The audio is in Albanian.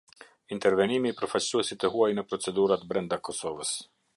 Intervenimi i përfaqësuesit të huaj në procedurat brenda Kosovës.